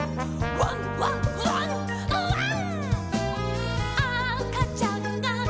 「ワンワンワンワン」